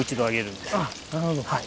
あっなるほど。